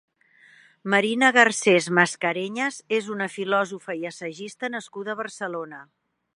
Marina Garcés Mascareñas és una filòsofa i assagista nascuda a Barcelona.